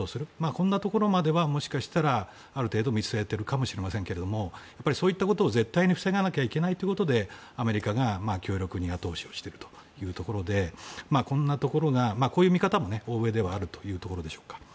こんなところまではもしかしたらある程度見据えているかもしれませんがそういったことを絶対に防がなきゃいけないということでアメリカが強力に後押ししているというところでこういう見方も欧米ではあるということでしょうか。